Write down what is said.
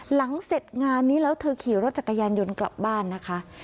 หลังเสร็จงานนี้แล้วเธอขี่รถจักรยานยนต์กลับบ้านนะคะ